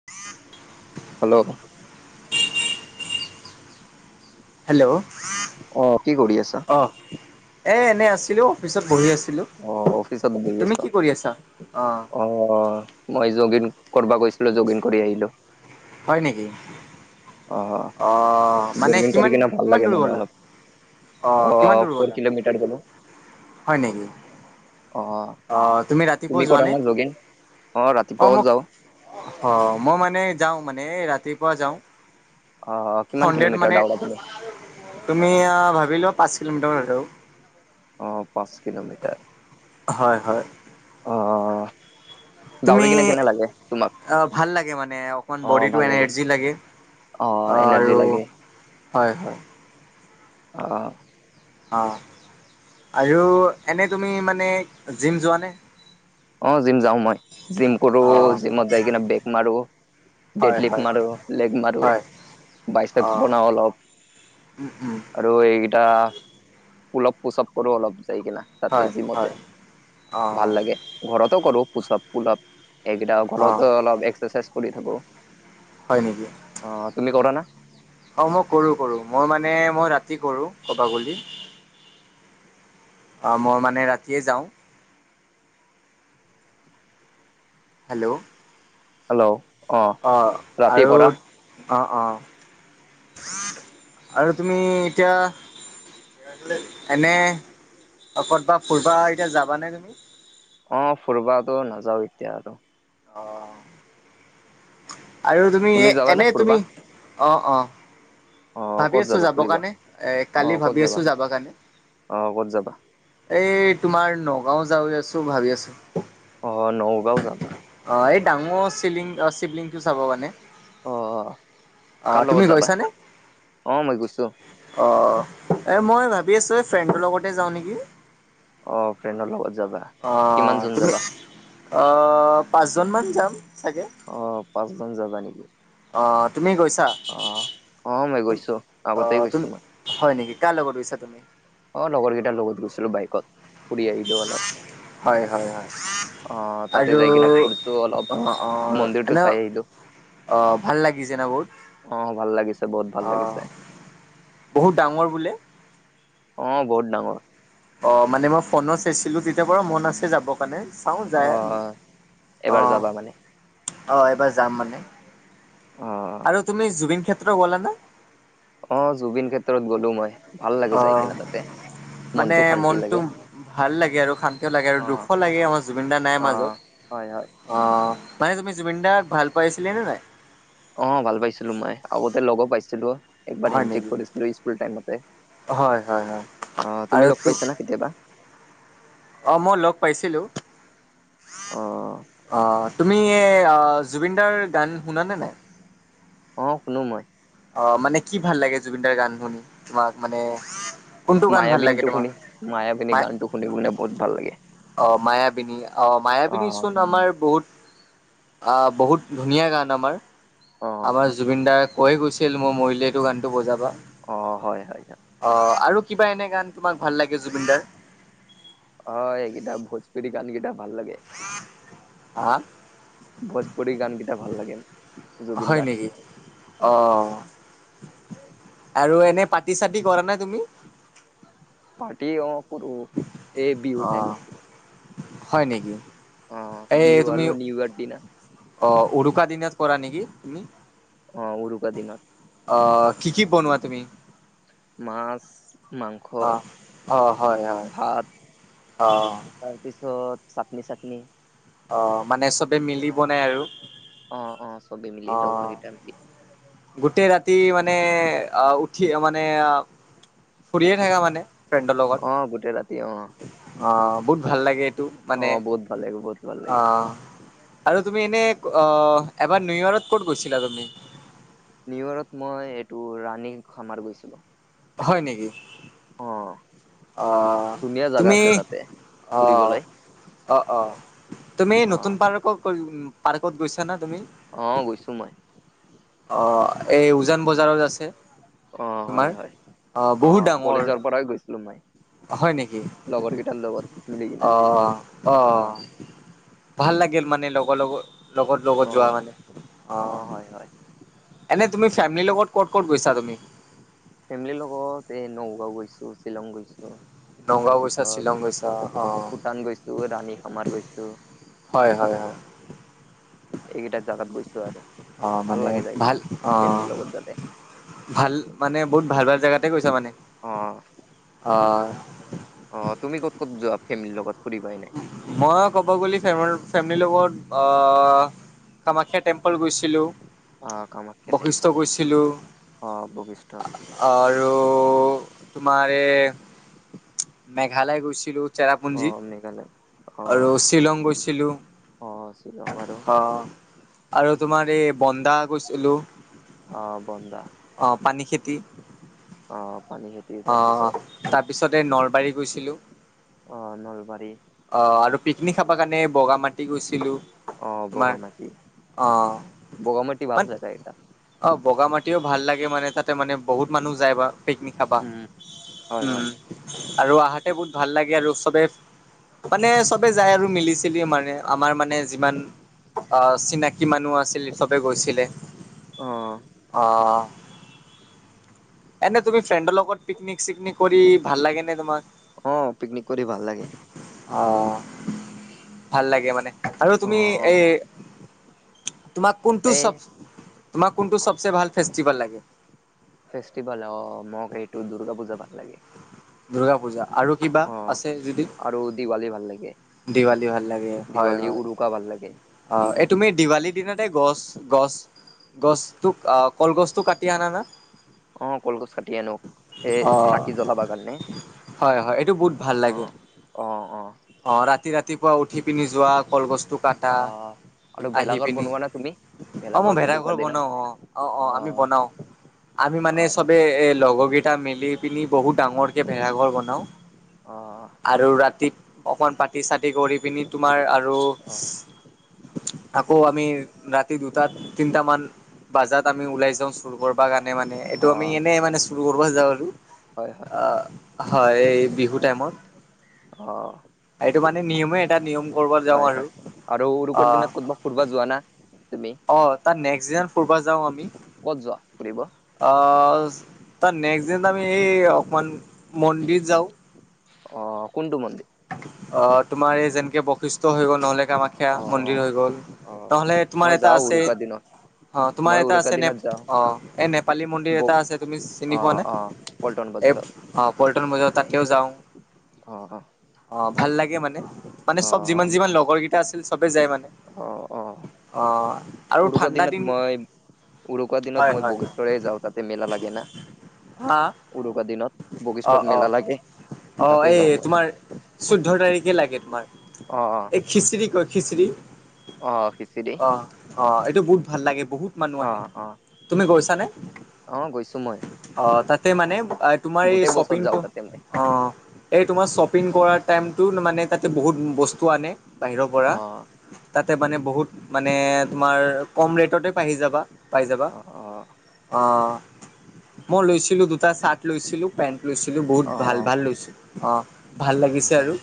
[inaudible] Hello hello, অ কি কৰি আছা অ', এ এনে আছিলোঁ অফিচত বহি আছিলোঁ। অ', অফিচত বহি তুমি কি আছাঁ, কৰি আছা অঁ অ', মই যগিন কৰবা গৈছিলোঁ, যোগিন কৰি আহিলোঁ। হয় নেকি? অ', মানে জগিং কৰি কিনে ভাল কিমান-কিমান লাগে দূৰ মানে গ'লা। অলপ অ', কিমান দূৰ ফ'ৰ গ'লা, কিলোমিটাৰ গ'লো হয় নেকি? অ অ', তুমি ৰাতিপুৱা কৰা যোৱানে? না জগিং অ', ৰাতিপুৱাও যাও মোক অ' মই মানে যাওঁ মানে ৰাতিপুৱা যাওঁ। অ কিমান সন্ধিয়াত কিলোমিটাৰ মানে দাউৰা তুমি তুমি ভাবিলোঁ পাঁচ কিলোমিটাৰ আৰু। অ' পাঁচ কিলোমিটাৰ। হয়, হয়। অ'। দাউৰি তুমি কিনে কেনে লাগে তোমাক অ' ভাল লাগে মানে, অকণ অ বডিটো ভাল এনাৰ্জি লাগে। অ', এনাৰ্জি আৰু লাগে। হয়, হয়। অ'। অ', আৰু এনে তুমি মানে জিম যোৱানে? অ', জিম যাওঁ মই জিম কৰোঁ, অঁ জিমত যাই কিনে বেক মাৰোঁ। হয় ডেডলিফট হয় মাৰোঁ, লেগ মাৰোঁ হয় বাইচেপ অঁ বনাওঁ অলপ। উম উম আৰু এইকেইটা পোলপ পোচপ কৰোঁ অলপ। যাই কিনা তাতে হয় হয় যিমতে অঁ ভাল লাগে ঘ কৰো পলপ এই ঘো অঁ অলপ একাৰচাইজ কৰি থাকো অ' তুমি কৰা না অ' মই কৰো কৰো মই মানে মই ৰাতি কৰো কবা গলি অ' মই মানে ৰাতিয়ে যাওঁ হেল্ল' হেল্ল' অ অঁ ৰাতি আৰু কৰা অঁ' অঁ' আৰু তুমি এতিয়া এনে কতবা ফুৰবা এতিয়া যাবানে তুমি? অ ফুৰিবাতো নাযাও এতিয়া আৰু অ' আৰু তুমি যাবা না এনে তুমি ফুৰবা অঁ' অঁ' অ ভাবি ক'ত আছো যাবা যাব ফুৰিবা কাৰণে এ অ কালি ক'ত ভাবি যাবা আছো যাব কাৰণে অ ক'ত যাবা এই তোমাৰ নগাঁও যায়ও আছো ভাবি আছো অ' নগাঁও যাবা এই ডাঙৰ চিলিং শিবলিংগটো চাব কাৰনে অ আহ তুমি গৈছানে? আহ মই গৈছো অ এ মই ভাবি আছোঁ এই ফ্ৰেণ্ডৰ লগতে যাওঁ নেকি অ' ফ্ৰিয়েণ্ডৰ লগত- যাবা কিমান অ' জন তুমি যাবা অ' পাঁচজন মান যাম চাগে আহ পাঁচজন যাবা নেকি অ তুমি গৈছা অ অ মই গৈছো আগতেই গৈছো মই হয় নেকি কাৰ লগত গৈছা তুমি অ' লগৰ কেইটাৰ লগত গৈছিলো বাইকত ফুৰি আহিলো অলপ হয় হয় হয়। অ তাতে আৰু যাই কিনে ফুৰিছো অলপ অ' মন্দিৰটো চাই অ' আহিলো অ' ভাল লাগিছে না বহুত অ ভাল লাগিছে বহুত ভাল লাগিছে অ' বহুত ডাঙৰ বোলে। অ' বহুত ডাঙৰ। অ' মানে মই ফোনত চাইছিলো তেতিয়া বাৰু মন আছে যাব কাৰণে চাওঁ অ যায় এবাৰ অ' যাবা মানে অ' এবাৰ যাম মানে। অ আৰু তুমি জুবিন ক্ষেত্ৰ গলা নে অ' জুবিন ক্ষেত্ৰত গ'লো মই ভাল লাগি যাই অ', কিনা তাত। মানে মনটো ভাল লাগে আৰু শান্তিও লাগে আৰু অ দুখো লাগে আমাৰ জুবিনদা নাই অ মাজত হয় হয় অ' মানে তুমি জুবিনদাৰ ভাল পাইছিলে নে নাই অ' ভাল পাইছিলো মই আগতে লগো পাইছিলো একবাৰ হয় হেণ্ড চেক নেকি? কৰিছিলো স্কুল টাইমতে হয়, হয়, হয় অ' তুমি আৰু লগ তো পাইছা না কেতিয়াবা? অ' মই লগ পাইছিলো অ অ' তুমি জুবিনদাৰ গান শুনানে নাই? অ' শুনো মই। অ' মানে কি ভাল লাগে জুবিনদাৰ গান শুনি তোমাক মানে কোনটো গান ভাল লাগে মায়াবিনীটো তোমাক? শুনি মায়াবিনী মা গানটো শুনি শুনে বহুত ভাল লাগে। অ', মায়াবিনী অ' মায়াবিনী অ চোন আমাৰ বহুত আ বহুত ধুনীয়া গান আমাৰ অ', আমাৰ জুবিন দাৰ কৈয়ে গৈছে ষ্টীল মই মৰিলে এইটো গানটো বজাবা অ' হয় হয় হয়। অ' আৰু কিবা এনে গান তোমাক ভাল লাগে জুবিনদাৰ? ! ! ! ! ! ! ! ! [inaudible] হ [inaudible] ভোজপুৰৰি গানকেইটা ভাল লাগে জুবিন হয় দাৰ নেকি অ', অঁ আৰু এনে পাতি চাতি কৰা নাই তুমি পাৰ্টি অ কৰো এই বিহু অ' টাইমত কৰো হয় নেকি এই তুমি [unintelligible] অ উৰুকা দিনত কৰা নেকি তুমি অ উৰুকা দিনত কি কি বনোৱা তুমি মাছ মাংস, অহ অহ হয় হয় অহ চ চাটনি চাটনি অ মানে চবে মিলি বনাই আৰু স মিলি লগৰ অ' গেইমিলি গোটেই ৰাতি মানে আহ উঠি মানে ফুৰিয়ে থাককা মানে ফ্ৰেণ্ডৰ লগত অহ গোটেই ৰাতি অ অ বহুত ভাল লাগে এইটো মানে অ', বহুত ভাল লাগে বহুত ভাল অ লাগে। আৰু তুমি এনে এবাৰ নিউয়ৰ্কত ক'ত গৈছিলা তুমি নিউয়ৰ্কত মই এইটো ৰাণী খামাৰ গৈছিলো হয় নেকি অ', অহ ধুনীয়া জাগা তুমি আছে তাতে অহ ফুৰিবলৈ অ অ তুমি অ'। নতুন পাৰ্ক পাৰ্কত গৈছাানা অ গৈছো মই অ এই উজান বজাৰত আছে অ', হয়, তোমাৰ হয় আহ বহুত অ', দাঙৰ কলেজৰ পৰাই গৈছিলো মই হয় নেকি লগৰ কেইটাৰ লগত মিলি কিনা অ অহ অ', ভাল লাগিল মানে লগৰ লগত লগত লগত যোৱা অ', মানে আহ অ', হয়, হয় এনে তুমি ফেমিলিৰ লগত ক'ত ক'ত গৈছা তুমি ফেমিলিৰ লগত এই নগাঁও গৈছো শ্বিলং গৈছো নগাঁও গৈছা, তাৰপিছত শ্বিলং গৈছা অ', ভূটান গৈছো ৰাণী আমাৰ গৈছো হয় হয় হয় এইকেইটাৰ জাগাত গৈছো আৰু অ ভাল মানে লাগে যাই কিনা ভাল অ ফেমিলিৰ লগত যালে ভাল মানে বহুত ভাল ভাল জোতে গৈছ মানে অহ হয় অ তুমি ক'ত ক'ত যোৱা ফেমিলিৰ লগত ফুৰিব এনে মই ক'ব গ'লে ফে ফেমিলিৰ লগত অহ কামাখ্যা টেম্পল গৈছিলোঁ অ', কামাখ্যা বশিষ্ঠ টেম্পল গৈছিলোঁ অ', বশিষ্ঠ আৰু তোমাৰ এ মেঘালয় গৈছিলো চেৰাপুঞ্জী অ', মেঘালয় আৰু অ', শ্বিলং গৈছিলো অ', শ্বিলং আৰু অহ আৰু তোমাৰ এই বন্দা গৈছিলো অ বন্দা অ পানী খেতি অ পানী খেতি অ তাৰপিছত তাৰপিছতে নলবাৰী গৈছিলো অহ নলবাৰী অ আৰু পিকনিক খাবৰ কাৰণে বগা মাটি গৈছিলোঁ অ বগামাটি অ বগামাটি মান ভালছে ত এটা অ বগা মাটিও ভাল লাগে মানে তাতে মানে বহুত মানুহ যায় বা পিকনিক খাবা উম হয় হয় উম আৰু আহাতে বহুত ভাল লাগে আৰু চবে মানে চবে যায় আৰু মিলি চিলি মাৰে আমাৰ মানে যিমান অ চিনাকি মানুহ আছিল চবে গৈছিলে অ অ এনে তুমি ফ্ৰেণ্ডৰ লগত পিকনিক চিকনিক কৰি ভাল লাগে নে তোমাৰ অ পিকনিক কৰি ভাল লাগে অ ভাল লাগে মানে আৰু অ তুমি এই তোমাক কোনটো এই তোমাক কোনটো চবচে ভাল ফেষ্টিভেল লাগে ফেষ্টিভেল অ ম এইটো দুূৰ্গা পূজা ভাল লাগে দুূৰ্গা পূজা আৰু কিবা অ আছে যদি আৰু দিৱালী ভাল লাগে দিৱালী ভাল লাগে হয় দিৱালী হয় উৰুকা ভাল লাগে অ বিহু এই তুমি দিৱালীত দিনতে গছ গছ গছটো কলগছটো কাটি আনা না অ কলগচ কাটি আনো এই অ চাকি জলাবা কাৰণে হয় হয় এইটো বহুত ভাল অ লাগে অ অ অ ৰাতি ৰাতি ৰাতিপুৱা উঠি পিনি যোৱা কলগছটো কটা অ আৰু আহি ভেলাঘৰ পিনি বনোৱা না তুমি অ মই ভেলাঘৰ উৰুকা ভেদাঘৰ দিনা বনাও অ অ অ আমি বনাও আমি মানে অ চবে এ লগৰ গিতা তা মেলি পিনি বহুত ডাঙৰকৈ ভেলাঘৰ বনাওঁ অ আৰু ৰাতি অকণ পাতি চাতি কৰি পিনি তোমাৰ আৰু অ আকৌ আমি ৰাতি দুটা তিনটামান বাজাৰত আমি ওলাই যাওঁ চুৰ কৰবা কাৰণে মানে অ এইটো আমি এনে মানে চুৰ কৰ যাওঁ আৰু হয় হয় হয় এই বিহু টাইমত আহ এইটো মানে নিয়মে এটা নিয়ম কৰিব যাওঁ হয় আৰু হয় আৰু অ উৰুকাৰ দিনত ক'বা ফুুৰবা যোৱা না তুমি অ তাত নেক্সট দিন ফৰব যাও আমি ক'ত যোৱা ফুৰিব অ তাৰ নেক্স দিন আমি এই অকমান মন্দিৰ যাওঁ অ কোনটো মন্দিৰ অ তোমাৰ এই যেনেকে বৈশিষ্ট্ হৈ গ'ল নহ'লে কামাখ্যা অ মন্দিৰ হৈ গ'ল অ তহলে তোমাৰ মই এটা যাওঁ আছে উৰুকা দিনত অ তোমাৰ মই এটা উৰুকা আছে ন দিনত যাওঁ অ এই নেপালী মন্দিৰ ব এটা আছে তুমি চিনি অ পোৱা নে অ পল্টন এই বজাৰত অ পল্ট্ৰন বজাৰ তাতলেও যাওঁ অ অ অ ভাল লাগে মানে মানে চব যিমান অ যিমান লগৰ কেইটা আছিল সবে যায় মানে অ অ অ' আৰু উৰুকা ঠাণ্ডা দিন দিনত মই উৰুকা দিনত হয় মই হয়। বগেশ্বৰে যাওঁ তাতে মেলা লাগে ন হা উৰুকা দিনত অ' বশিষ্ঠত অ' মেলা লাগে অ' তাতে এই যাওঁ মই তোমাৰ চৈধ্য তাৰিখে লাগে তোমাৰ অ অ এই খিচিৰি কয় খিচিৰি অ খিচি দেই অ' অ এইটো বহুত ভাল লাগে বহুত মানুহ আহে অ তুমি গৈছা নে অ গৈছো মই সেই মানে তোমাৰ এই গোটেই বছৰ যাওঁ শ্বপিংটো তাতে মই অ এই তোমাৰ শ্বপ কৰা টাইমটো মানে তাতে বহুত বস্তু আনে বাহিৰৰ পৰা অ তাত তা মানে বহুত মানে তুমাৰ কম ৰেটতে পাহি যাবা পাই যাবা অ অ অ মই লৈছিলো দুটা চাৰ্ট লৈছিলো পেন্ট লৈছিলোঁ বহুত অ ভাল ভাল লৈছোঁ অঁ ভাল লাগিছে আৰু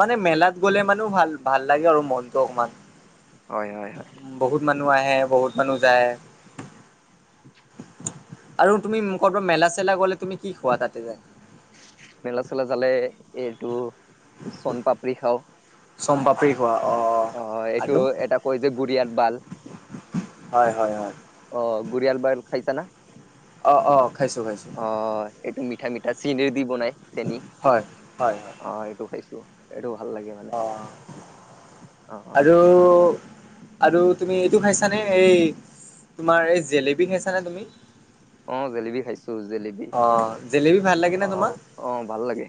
মানে মেলাত গ'লে মানে ভাল ভাল লাগে আৰু মনটো অকমান হয় হয় হয় বহুত মানুহ আহে বহুত মানুহ যায় আৰু তুমি কৰ'বাত মেলা- চেলা গ'লে তুমি কি খোৱা তাতে যায়? মেলা -চেলা জালে এইটো চন পাপৰি খাওঁ। চনপাপৰি অ এইটো এটা কৈ যে গুৰিয়াৰ বাল। হয় হয় হয়, অ গুৰিয়াল বাল খাইছা না অঁ অঁ খাইছোঁ খাইছোঁ। এটা চেন দি বনাই চেনী হয় হয় হয় অ এইটো খাইছো। এইটো ভাল লাগে মানে অ অ আৰু আৰু তুমি এইটো খাইছানে, এই তোমাৰ এই জেলেবী খাইছানে তুমি? অ জেলেপী খাইছো জেলেপী, অ জেলেবি ভাল আহ অ ভাল লাগে।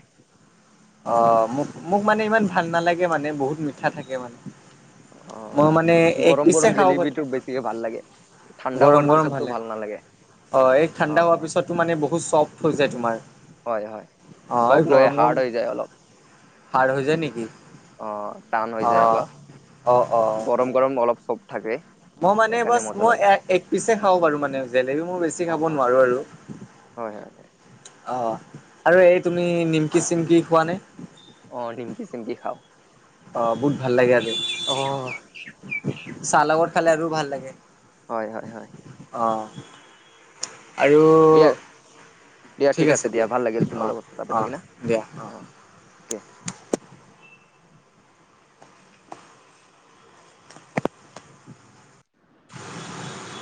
আহ মোক মোক মানে ইমান ভাল নালাগে মানে বহুত মিঠা থাকে মানে। অ মই মানে এক গৰম পিচছে গৰম খাওঁ জেলেবিটো বেছিকে ভাল লাগে ঠাণ্ডা গৰম হোৱাৰ গৰম পিছততো হ'লে। ভাল নালাগে অ এই অ ঠাণ্ডা হোৱাৰ পিছতো মানে বহুত চফ্ট হৈ যায় তোমাৰ। হয় হয় সব নহয়, হাৰ্ড হৈ যায় অলপ। হাৰ্ডহৈ যায় নেকি? অ টান হৈ অ যায় অলপ, অ অ গৰম গৰম অলপ চব থাকে মই মানে সেইকাৰণে বাচ মজা মই লাগে এক পিচ এ খাওঁ বাৰু মানে জেলেপী, মই বেছি অ অ খাব নোৱাৰো আৰু। হয় হয়। অ আৰু এই তুমি নিমকি - চিমকি খুৱা নে? অ নিমকি - চিমকি খাওঁ। অ বহুত ভাল লাগে আৰু অ চাহ লগত খালে আৰু ভাল লাগে। হয় হয় হয়। অ আৰু দিয়া দিয়া ঠিক আছে দিয়া ভাল লাগিল অ তোমাৰ লগত কথা অ পাতি কিনে। দিয়া অ অকে।